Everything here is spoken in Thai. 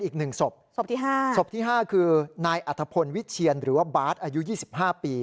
ค่ะสบที่๕คือนายอธพรวิชเชียนหรือว่าบาร์ทอายุ๒๕ปี